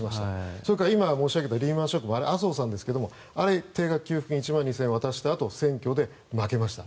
それから今申し上げたリーマン・ショック麻生さんでしたが定額給付金で１万２０００円渡したあとに選挙で負けました。